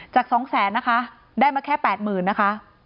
๒แสนนะคะได้มาแค่๘๐๐๐นะคะ